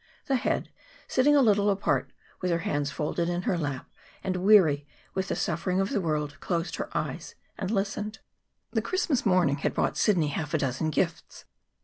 The Head, sitting a little apart with her hands folded in her lap and weary with the suffering of the world, closed her eyes and listened. The Christmas morning had brought Sidney half a dozen gifts.